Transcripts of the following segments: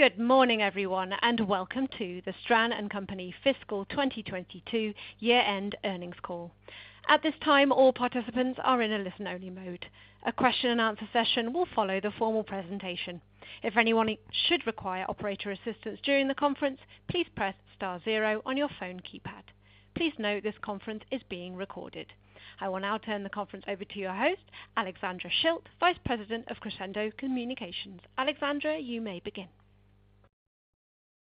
Good morning everyone, and welcome to the Stran & Company Fiscal 2022 Year End Earnings Call. At this time, all participants are in a listen-only mode. A question and answer session will follow the formal presentation. If anyone should require operator assistance during the conference, please press star zero on your phone keypad. Please note this conference is being recorded. I will now turn the conference over to your host, Alexandra Schilt, Vice President of Crescendo Communications. Alexandra, you may begin.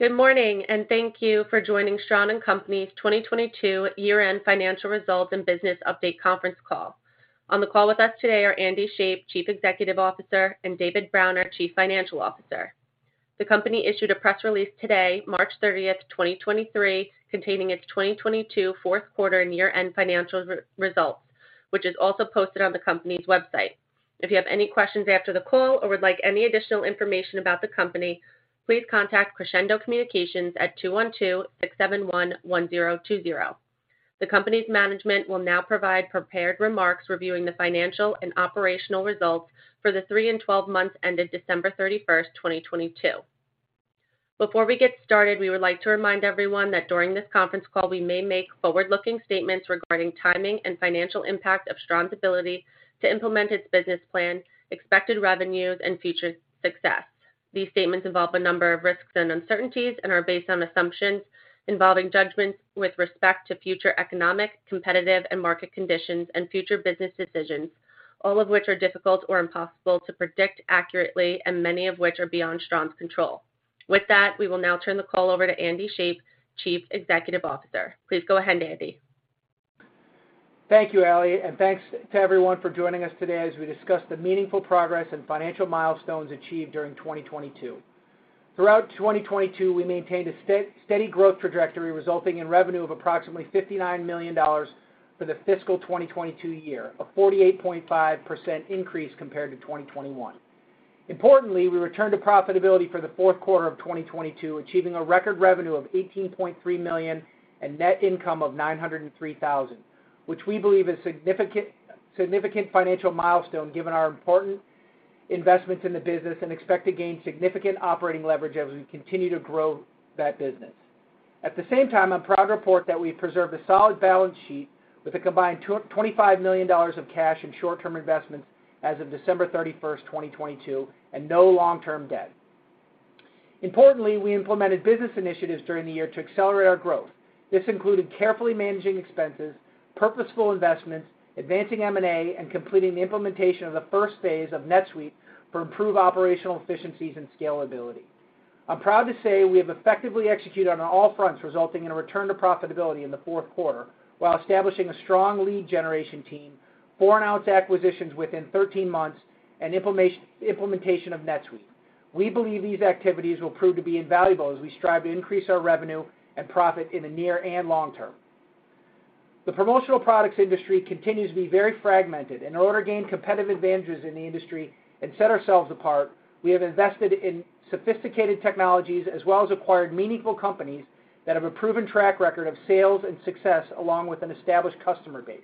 Good morning, thank you for joining Stran & Company's 2022 Year-End Financial Results and business update conference call. On the call with us today are Andy Shape, Chief Executive Officer, and David Browner, Chief Financial Officer. The company issued a press release today, March 30th, 2023, containing its 2022 fourth quarter and year-end financial results, which is also posted on the company's website. If you have any questions after the call or would like any additional information about the company, please contact Crescendo Communications at 212-671-1020. The company's management will now provide prepared remarks reviewing the financial and operational results for the 3 and 12 months ended December 31st, 2022. Before we get started, we would like to remind everyone that during this conference call, we may make forward-looking statements regarding timing and financial impact of Stran's ability to implement its business plan, expected revenues, and future success. These statements involve a number of risks and uncertainties and are based on assumptions involving judgments with respect to future economic, competitive, and market conditions and future business decisions, all of which are difficult or impossible to predict accurately and many of which are beyond Stran's control. With that, we will now turn the call over to Andy Shape, Chief Executive Officer. Please go ahead, Andy. Thank you, Allie. Thanks to everyone for joining us today as we discuss the meaningful progress and financial milestones achieved during 2022. Throughout 2022, we maintained a steady growth trajectory, resulting in revenue of approximately $59 million for the fiscal 2022 year, a 48.5% increase compared to 2021. Importantly, we returned to profitability for the fourth quarter of 2022, achieving a record revenue of $18.3 million and net income of $903,000, which we believe is a significant financial milestone given our important investments in the business and expect to gain significant operating leverage as we continue to grow that business. At the same time, I'm proud to report that we preserved a solid balance sheet with a combined $25 million of cash and short-term investments as of December 31, 2022, and no long-term debt. Importantly, we implemented business initiatives during the year to accelerate our growth. This included carefully managing expenses, purposeful investments, advancing M&A, and completing the implementation of the first phase of NetSuite for improved operational efficiencies and scalability. I'm proud to say we have effectively executed on all fronts, resulting in a return to profitability in the fourth quarter while establishing a strong lead generation team, four announce acquisitions within 13 months and implementation of NetSuite. We believe these activities will prove to be invaluable as we strive to increase our revenue and profit in the near and long term. The promotional products industry continues to be very fragmented. In order to gain competitive advantages in the industry and set ourselves apart, we have invested in sophisticated technologies as well as acquired meaningful companies that have a proven track record of sales and success along with an established customer base.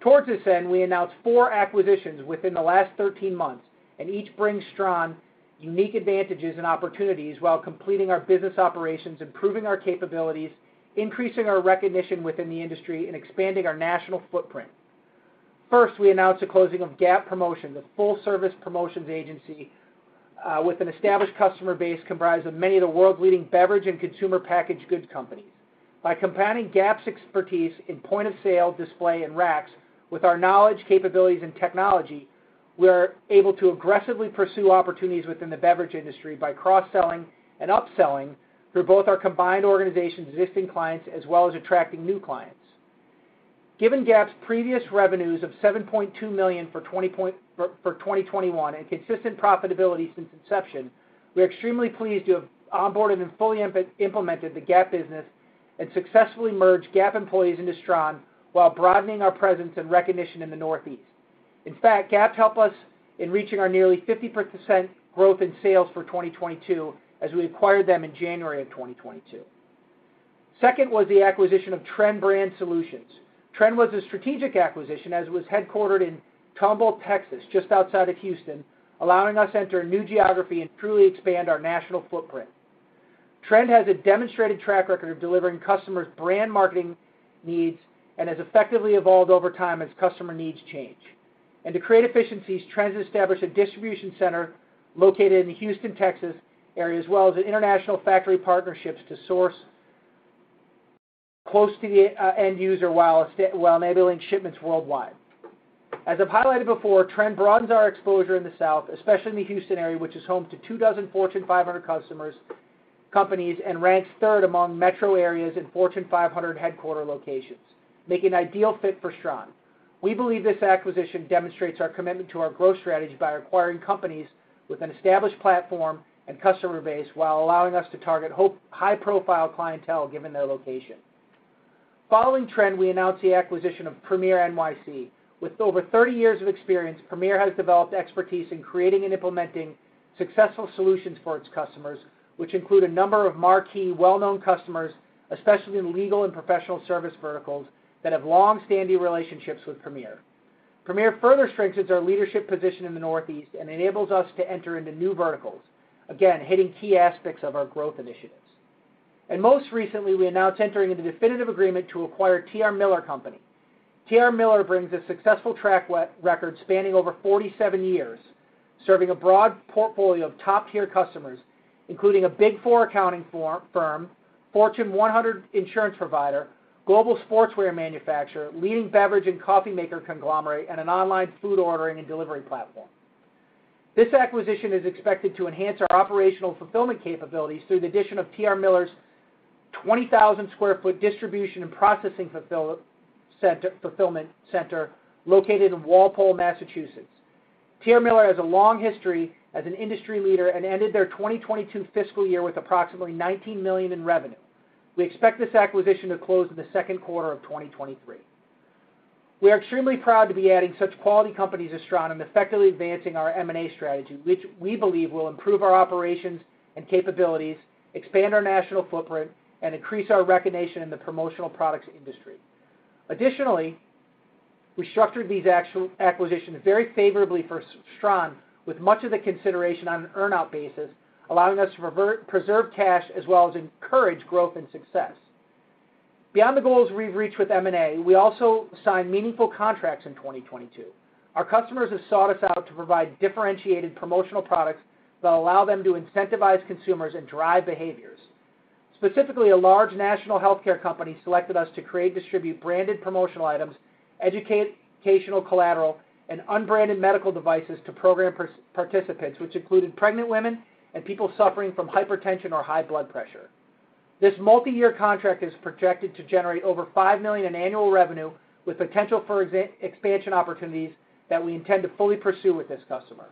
Towards this end, we announced four acquisitions within the last 13 months. Each brings Stran unique advantages and opportunities while completing our business operations, improving our capabilities, increasing our recognition within the industry, and expanding our national footprint. First, we announced the closing of GAP Promotions, a full-service promotions agency, with an established customer base comprised of many of the world's leading beverage and consumer packaged goods companies. By combining GAP's expertise in point-of-sale, display, and racks with our knowledge, capabilities, and technology, we are able to aggressively pursue opportunities within the beverage industry by cross-selling and upselling through both our combined organization's existing clients as well as attracting new clients. Given GAP's previous revenues of $7.2 million for 2021 and consistent profitability since inception, we are extremely pleased to have onboarded and fully implemented the GAP business and successfully merged GAP employees into Stran while broadening our presence and recognition in the Northeast. In fact, GAP's helped us in reaching our nearly 50% growth in sales for 2022 as we acquired them in January of 2022. Second was the acquisition of Trend Brand Solutions. Trend was a strategic acquisition as it was headquartered in Tomball, Texas, just outside of Houston, allowing us to enter a new geography and truly expand our national footprint. Trend has a demonstrated track record of delivering customers' brand marketing needs and has effectively evolved over time as customer needs change. To create efficiencies, Trend has established a distribution center located in the Houston, Texas area, as well as international factory partnerships to source close to the end user while enabling shipments worldwide. As I've highlighted before, Trend broadens our exposure in the South, especially in the Houston area, which is home to 2 dozen Fortune 500 companies and ranks 3rd among metro areas in Fortune 500 headquarter locations, make an ideal fit for Stran. We believe this acquisition demonstrates our commitment to our growth strategy by acquiring companies with an established platform and customer base while allowing us to target high-profile clientele given their location. Following Trend, we announced the acquisition of Premier NYC. With over 30 years of experience, Premier has developed expertise in creating and implementing successful solutions for its customers, which include a number of marquee well-known customers, especially in legal and professional service verticals, that have long-standing relationships with Premier. Premier further strengthens our leadership position in the Northeast and enables us to enter into new verticals, again, hitting key aspects of our growth initiatives. Most recently, we announced entering into definitive agreement to acquire T.R. Miller Company T.R. Miller brings a successful track record spanning over 47 years, serving a broad portfolio of top-tier customers, including a Big Four accounting firm, Fortune 100 insurance provider, global sportswear manufacturer, leading beverage and coffee maker conglomerate, and an online food ordering and delivery platform. This acquisition is expected to enhance our operational fulfillment capabilities through the addition of T.R. Miller's 20,000 sq ft distribution and processing fulfillment center located in Walpole, Massachusetts. T.R. Miller has a long history as an industry leader and ended their 2022 fiscal year with approximately $19 million in revenue. We expect this acquisition to close in the second quarter of 2023. We are extremely proud to be adding such quality companies as Stran and effectively advancing our M&A strategy, which we believe will improve our operations and capabilities, expand our national footprint, and increase our recognition in the promotional products industry. Additionally, we structured these acquisitions very favorably for Stran, with much of the consideration on an earn-out basis, allowing us to preserve cash as well as encourage growth and success. Beyond the goals we've reached with M&A, we also signed meaningful contracts in 2022. Our customers have sought us out to provide differentiated promotional products that allow them to incentivize consumers and drive behaviors. Specifically, a large national healthcare company selected us to create, distribute branded promotional items, educational collateral, and unbranded medical devices to program participants, which included pregnant women and people suffering from hypertension or high blood pressure. This multiyear contract is projected to generate over $5 million in annual revenue, with potential for expansion opportunities that we intend to fully pursue with this customer.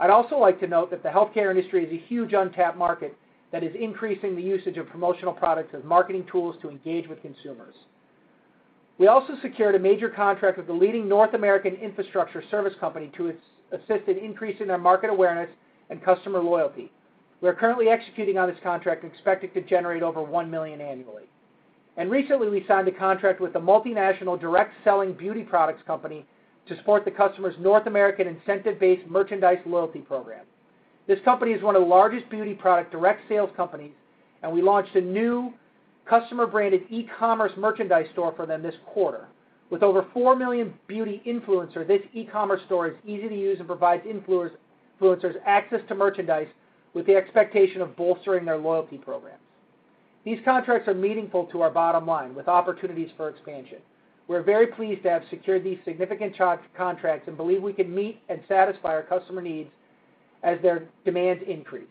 I'd also like to note that the healthcare industry is a huge untapped market that is increasing the usage of promotional products as marketing tools to engage with consumers. We also secured a major contract with the leading North American infrastructure service company to assist in increasing their market awareness and customer loyalty. We are currently executing on this contract and expect it to generate over $1 million annually. Recently, we signed a contract with a multinational direct selling beauty products company to support the customer's North American incentive-based merchandise loyalty program. This company is one of the largest beauty product direct sales companies. We launched a new customer-branded e-commerce merchandise store for them this quarter. With over 4 million beauty influencers, this e-commerce store is easy to use and provides influencers access to merchandise with the expectation of bolstering their loyalty programs. These contracts are meaningful to our bottom line, with opportunities for expansion. We're very pleased to have secured these significant contracts and believe we can meet and satisfy our customer needs as their demands increase.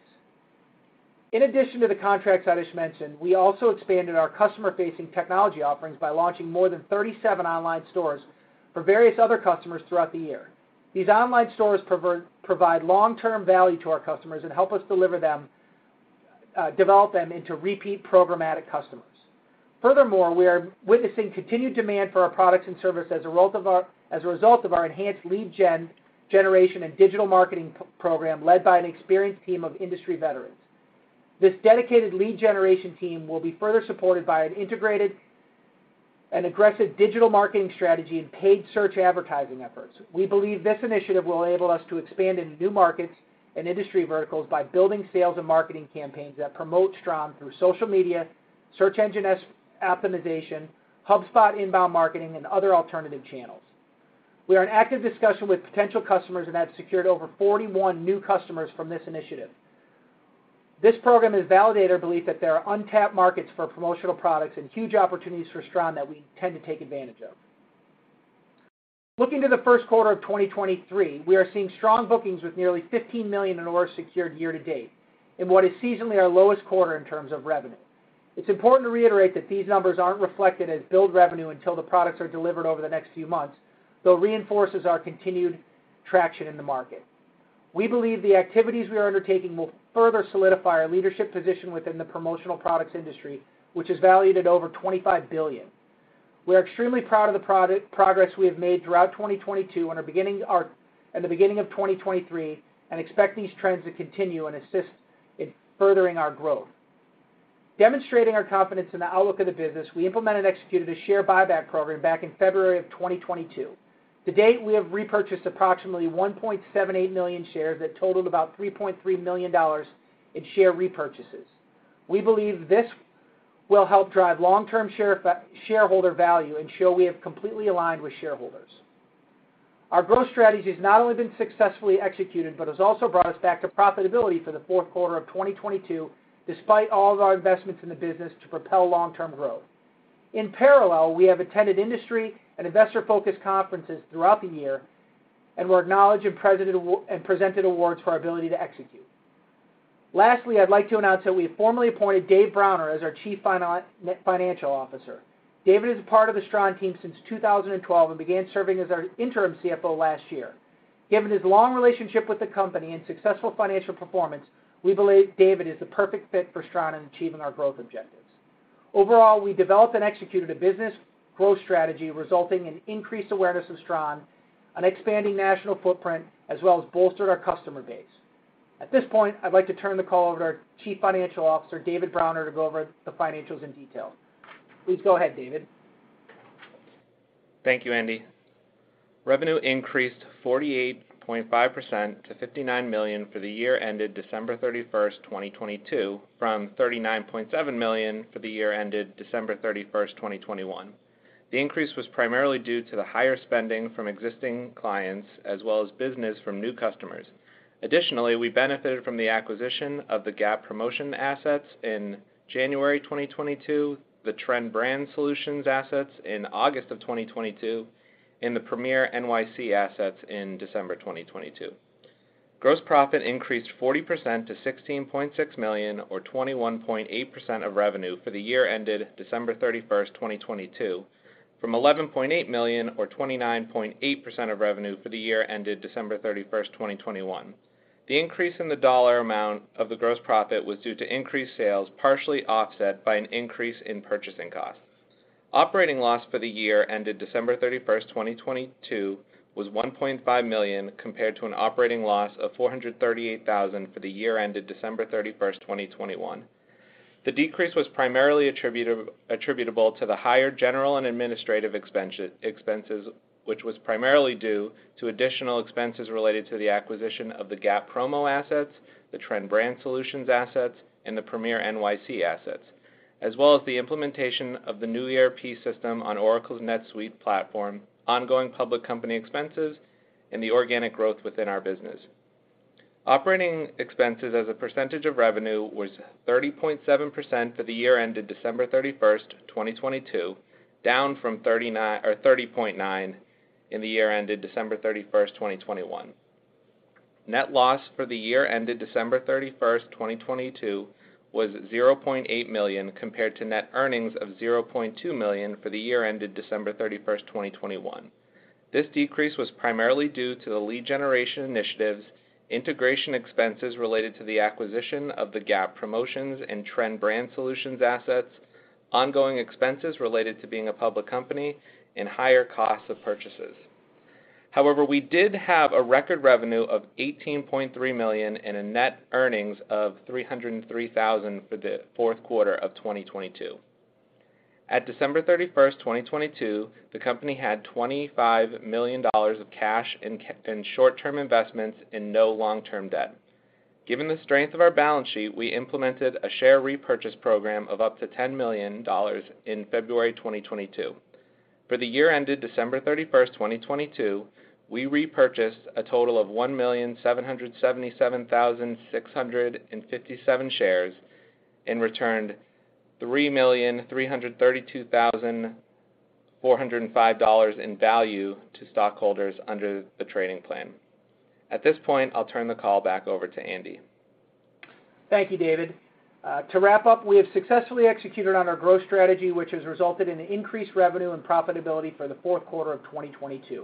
In addition to the contracts I just mentioned, we also expanded our customer-facing technology offerings by launching more than 37 online stores for various other customers throughout the year. These online stores provide long-term value to our customers and help us develop them into repeat programmatic customers. Furthermore, we are witnessing continued demand for our products and services as a result of our enhanced lead generation and digital marketing program, led by an experienced team of industry veterans. This dedicated lead generation team will be further supported by an integrated and aggressive digital marketing strategy and paid search advertising efforts. We believe this initiative will enable us to expand into new markets and industry verticals by building sales and marketing campaigns that promote Stran through social media, search engine optimization, HubSpot inbound marketing, and other alternative channels. We are in active discussion with potential customers and have secured over 41 new customers from this initiative. This program has validated our belief that there are untapped markets for promotional products and huge opportunities for Stran that we intend to take advantage of. Looking to the first quarter of 2023, we are seeing strong bookings with nearly $15 million and orders secured year to date in what is seasonally our lowest quarter in terms of revenue. It's important to reiterate that these numbers aren't reflected as billed revenue until the products are delivered over the next few months, though it reinforces our continued traction in the market. We believe the activities we are undertaking will further solidify our leadership position within the promotional products industry, which is valued at over $25 billion. We are extremely proud of the progress we have made throughout 2022 and the beginning of 2023, and expect these trends to continue and assist in furthering our growth. Demonstrating our confidence in the outlook of the business, we implemented and executed a share buyback program back in February of 2022. To date, we have repurchased approximately $1.78 million shares that totaled about $3.3 million in share repurchases. We believe this will help drive long-term shareholder value and show we have completely aligned with shareholders. Our growth strategy has not only been successfully executed, but has also brought us back to profitability for the fourth quarter of 2022, despite all of our investments in the business to propel long-term growth. We have attended industry and investor-focused conferences throughout the year and were acknowledged and presented awards for our ability to execute. I'd like to announce that we have formally appointed Dave Browner as our Chief Financial Officer. David is a part of the Stran team since 2012 and began serving as our interim CFO last year. Given his long relationship with the company and successful financial performance, we believe David is the perfect fit for Stran in achieving our growth objectives. Overall, we developed and executed a business growth strategy resulting in increased awareness of Stran, an expanding national footprint, as well as bolstered our customer base. At this point, I'd like to turn the call over to our Chief Financial Officer, David Browner, to go over the financials in detail. Please go ahead, David. Thank you, Andy. Revenue increased 48.5% to $59 million for the year ended December 31st, 2022, from $39.7 million for the year ended December 31st, 2021. The increase was primarily due to the higher spending from existing clients as well as business from new customers. Additionally, we benefited from the acquisition of the GAP Promotions assets in January 2022, the Trend Brand Solutions assets in August of 2022, and the Premier NYC assets in December 2022. Gross profit increased 40% to $16.6 million or 21.8% of revenue for the year ended December 31st, 2022, from $11.8 million or 29.8% of revenue for the year ended December 31st, 2021. The increase in the dollar amount of the gross profit was due to increased sales, partially offset by an increase in purchasing costs. Operating loss for the year ended December 31, 2022 was $1.5 million compared to an operating loss of $438,000 for the year ended December 31, 2021. The decrease was primarily attributable to the higher general and administrative expenses, which was primarily due to additional expenses related to the acquisition of the GAP Promo assets, the Trend Brand Solutions assets, and the Premier NYC assets, as well as the implementation of the new ERP system on Oracle's NetSuite platform, ongoing public company expenses, and the organic growth within our business. Operating expenses as a percentage of revenue was 30.7% for the year ended December 31, 2022, down from 30.9% in the year ended December 31, 2021. Net loss for the year ended December 31, 2022, was $0.8 million compared to net earnings of $0.2 million for the year ended December 31, 2021. This decrease was primarily due to the lead generation initiatives, integration expenses related to the acquisition of the GAP Promotions and Trend Brand Solutions assets, ongoing expenses related to being a public company, and higher costs of purchases. We did have a record revenue of $18.3 million and a net earnings of $303,000 for the fourth quarter of 2022. At December 31st, 2022, the company had $25 million of cash and short-term investments and no long-term debt. Given the strength of our balance sheet, we implemented a share repurchase program of up to $10 million in February 2022. For the year ended December 31st, 2022, we repurchased a total of 1,777,657 shares and returned $3,332,405 in value to stockholders under the trading plan. At this point, I'll turn the call back over to Andy. Thank you, David. To wrap up, we have successfully executed on our growth strategy, which has resulted in increased revenue and profitability for the fourth quarter of 2022.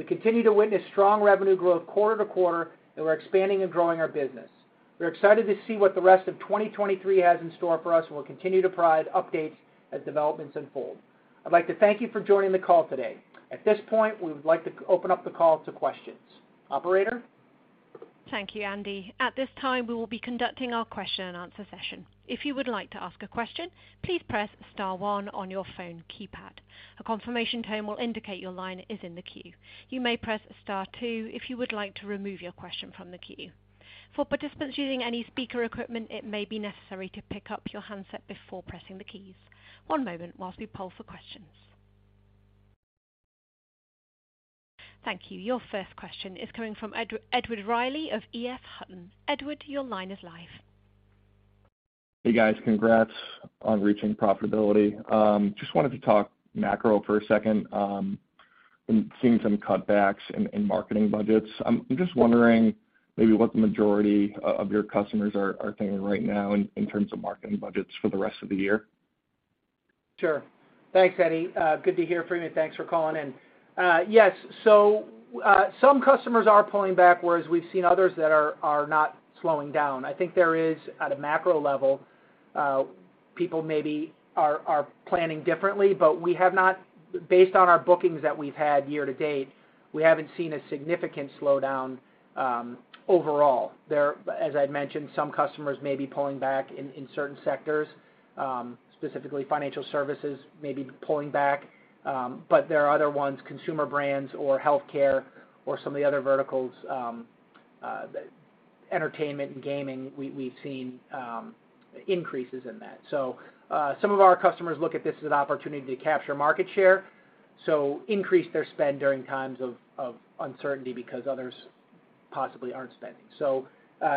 We continue to witness strong revenue growth quarter to quarter, and we're expanding and growing our business. We're excited to see what the rest of 2023 has in store for us, and we'll continue to provide updates as developments unfold. I'd like to thank you for joining the call today. At this point, we would like to open up the call to questions. Operator? Thank you, Andy. At this time, we will be conducting our question and answer session. If you would like to ask a question, please press star one on your phone keypad. A confirmation tone will indicate your line is in the queue. You may press star two if you would like to remove your question from the queue. For participants using any speaker equipment, it may be necessary to pick up your handset before pressing the keys. One moment whilst we poll for questions. Thank you. Your first question is coming from Edward Riley of EF Hutton. Edward, your line is live. Hey, guys. Congrats on reaching profitability. Just wanted to talk macro for a second. Been seeing some cutbacks in marketing budgets. I'm just wondering maybe what the majority of your customers are thinking right now in terms of marketing budgets for the rest of the year? Sure. Thanks, Ed. Good to hear from you. Thanks for calling in. Yes. Some customers are pulling back, whereas we've seen others that are not slowing down. I think there is, at a macro level, people maybe are planning differently, but based on our bookings that we've had year to date, we haven't seen a significant slowdown overall. As I'd mentioned, some customers may be pulling back in certain sectors, specifically financial services may be pulling back, but there are other ones, consumer brands or healthcare or some of the other verticals, entertainment and gaming, we've seen increases in that. Some of our customers look at this as an opportunity to capture market share, so increase their spend during times of uncertainty because others possibly aren't spending.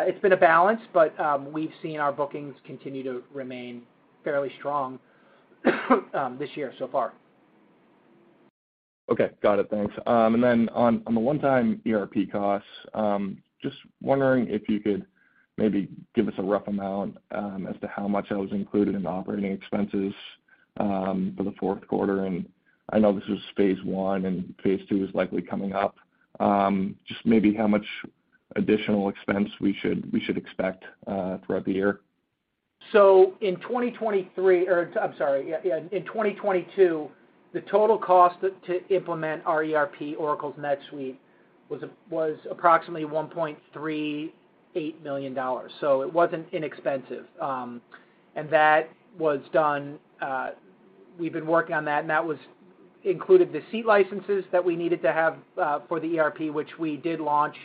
It's been a balance, but we've seen our bookings continue to remain fairly strong this year so far. Okay. Got it. Thanks. On, on the one-time ERP costs, just wondering if you could maybe give us a rough amount, as to how much that was included in operating expenses, for the fourth quarter. I know this is phase one, and phase two is likely coming up. Just maybe how much additional expense we should expect, throughout the year. In 2023 or I'm sorry. Yeah, yeah. In 2022, the total cost to implement our ERP, Oracle's NetSuite was approximately $1.38 million. It wasn't inexpensive. That was done, we've been working on that, and that was included the seat licenses that we needed to have for the ERP, which we did launch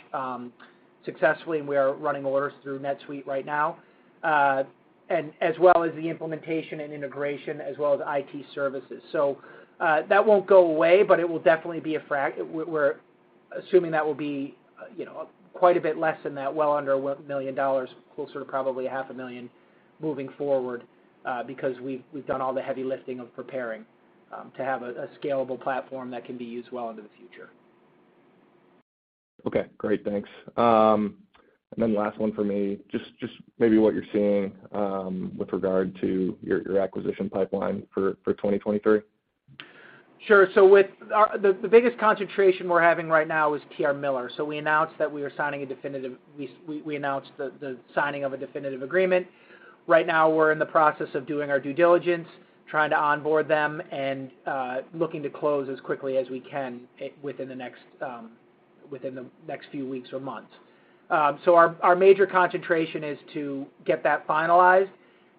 successfully, and we are running orders through NetSuite right now. As well as the implementation and integration as well as IT services. That won't go away, but it will definitely be. We're assuming that will be, you know, quite a bit less than that, well under $1 million, closer to probably half a million moving forward, because we've done all the heavy lifting of preparing to have a scalable platform that can be used well into the future. Okay, great. Thanks. Last one for me. Just maybe what you're seeing, with regard to your acquisition pipeline for 2023? Sure. The biggest concentration we're having right now is T.R. Miller. We announced the signing of a definitive agreement. Right now, we're in the process of doing our due diligence, trying to onboard them and looking to close as quickly as we can within the next few weeks or months. Our major concentration is to get that finalized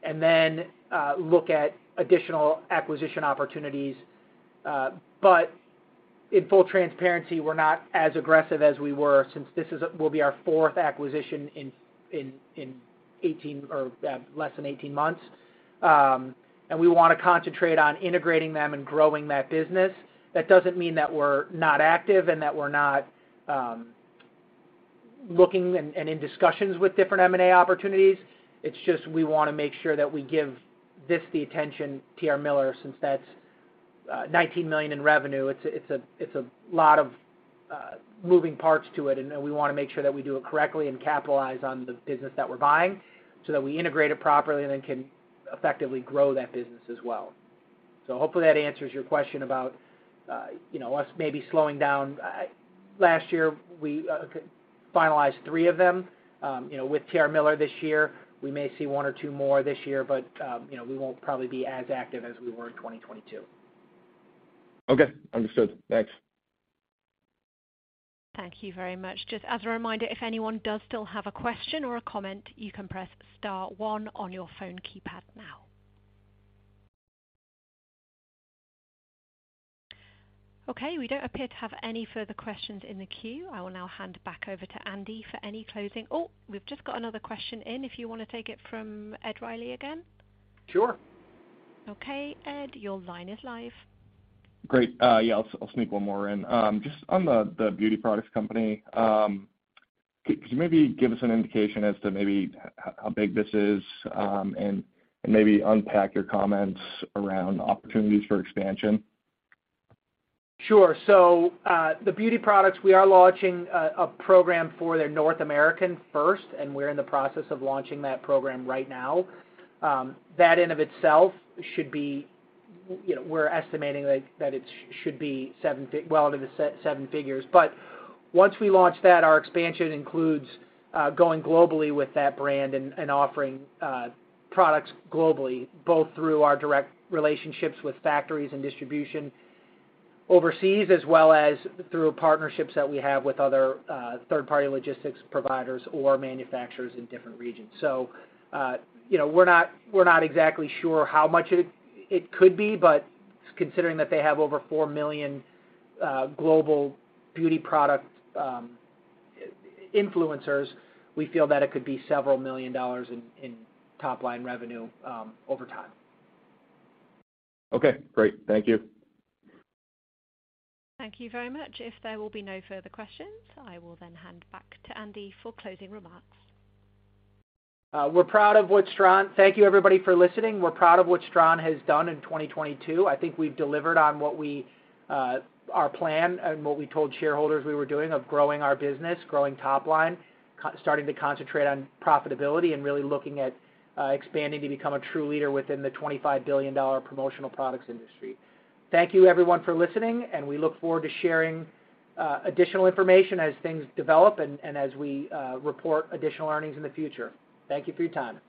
and then look at additional acquisition opportunities. In full transparency, we're not as aggressive as we were since this will be our fourth acquisition in 18 or less than 18 months. We wanna concentrate on integrating them and growing that business. That doesn't mean that we're not active and that we're not looking and in discussions with different M&A opportunities. It's just we want to make sure that we give this, the attention, T.R. Miller, since that's $19 million in revenue. It's a lot of moving parts to it, and we want to make sure that we do it correctly and capitalize on the business that we're buying so that we integrate it properly and then can effectively grow that business as well. Hopefully that answers your question about, you know, us maybe slowing down. Last year, we finalized three of them. You know, with T.R. Miller this year, we may see one or two more this year, but, you know, we won't probably be as active as we were in 2022. Okay. Understood. Thanks. Thank you very much. Just as a reminder, if anyone does still have a question or a comment, you can press star one on your phone keypad now. Okay. We don't appear to have any further questions in the queue. I will now hand back over to Andy for any closing. Oh, we've just got another question in if you wanna take it from Ed Riley again. Sure. Okay, Ed, your line is live. Great. Yeah, I'll sneak one more in. Just on the beauty products company, could you maybe give us an indication as to maybe how big this is, and maybe unpack your comments around opportunities for expansion? Sure. The beauty products, we are launching a program for their North American first, and we're in the process of launching that program right now. That in of itself should be, you know, we're estimating that it should be well into seven figures. Once we launch that, our expansion includes going globally with that brand and offering products globally, both through our direct relationships with factories and distribution overseas, as well as through partnerships that we have with other third-party logistics providers or manufacturers in different regions. You know, we're not exactly sure how much it could be, but considering that they have over 4 million global beauty product influencers, we feel that it could be several million dollars in top line revenue over time. Okay, great. Thank you. Thank you very much. If there will be no further questions, I will then hand back to Andy for closing remarks. We're proud of what Stran. Thank you everybody for listening. We're proud of what Stran has done in 2022. I think we've delivered on what we, our plan and what we told shareholders we were doing of growing our business, growing top line, starting to concentrate on profitability and really looking at, expanding to become a true leader within the $25 billion promotional products industry. Thank you everyone for listening. We look forward to sharing, additional information as things develop and as we report additional earnings in the future. Thank you for your time.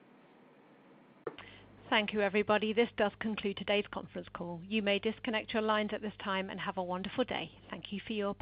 Thank you, everybody. This does conclude today's conference call. You may disconnect your lines at this time, and have a wonderful day. Thank you for your participation.